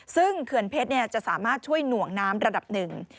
ซึ่งเขื่อนเพชรจะสามารถช่วยหน่วงน้ำระดับหนึ่ง